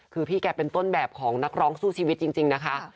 คือพี่แกเป็นต้นแบบของนักร้องสู้ชีวิตจริงนะคะ